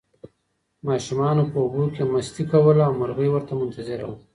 ماشومانو په اوبو کې مستي کوله او مرغۍ ورته منتظره وه.